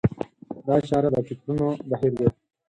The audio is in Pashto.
دا چاره د فکرونو بهير دی.